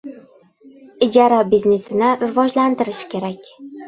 Ijara biznesini rivojlantirish kerak!